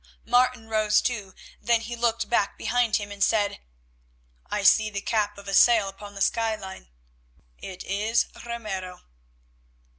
Martin rose too. Then he looked back behind him and said; "I see the cap of a sail upon the skyline. It is Ramiro."